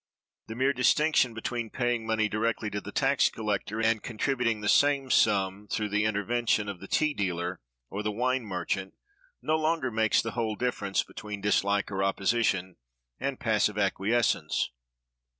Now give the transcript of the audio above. The mere distinction between paying money directly to the tax collector and contributing the same sum through the intervention of the tea dealer or the wine merchant no longer makes the whole difference between dislike or opposition and passive acquiescence.